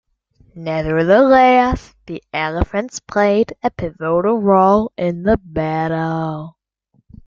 Nevertheless, the elephants played a pivotal role in the battle.